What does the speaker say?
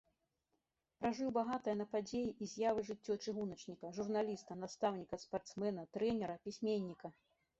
Пражыў багатае на падзеі і з'явы жыццё чыгуначніка, журналіста, настаўніка, спартсмена, трэнера, пісьменніка.